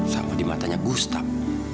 sama di matanya gustaf